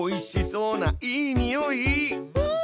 うん！